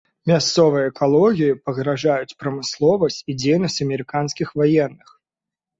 Мясцовай экалогіі пагражаюць прамысловасць і дзейнасць амерыканскіх ваенных.